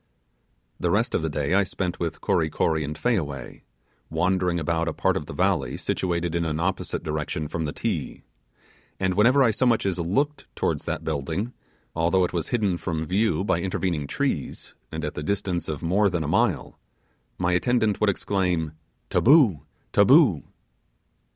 The rest of the day I spent with Kory Kory and Fayaway, wandering about a part of the valley situated in an opposite direction from the Ti, and whenever I so much as looked towards that building, although it was hidden from view by intervening trees, and at the distance of more than a mile, my attendant would exclaim, 'Taboo, taboo!